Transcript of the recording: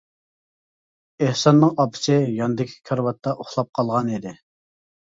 ئېھساننىڭ ئاپىسى ياندىكى كارىۋاتتا ئۇخلاپ قالغانىدى.